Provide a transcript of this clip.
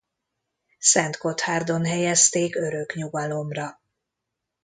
Szentgotthárdon helyezték örök nyugalomra.